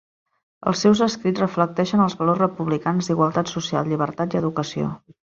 Els seus escrits reflecteixen els valors republicans d'igualtat social, llibertat i educació.